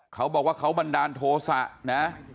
เขาบอกว่าเขาบันดาลโทษะนะ